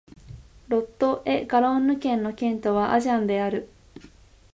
ロット＝エ＝ガロンヌ県の県都はアジャンである